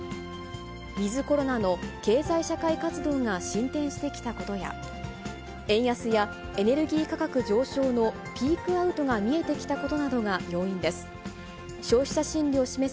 ウィズコロナの経済社会活動が進展してきたことや、円安やエネルギー価格上昇のピークアウトが見えてきたことなどが要因です。